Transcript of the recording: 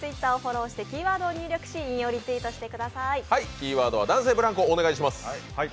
キーワードは男性ブランコお願いします。